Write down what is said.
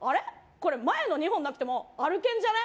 これ前の２本なくても歩けんじゃね？